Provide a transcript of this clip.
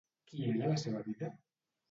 Qui era la seva dida?